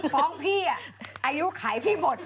ฟ้องพี่อ่ะอายุขายพี่หมด